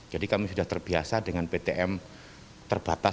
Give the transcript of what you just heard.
jadi kami sudah terbiasa dengan ptm terbatas